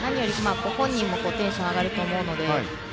本人もテンション上がると思うので。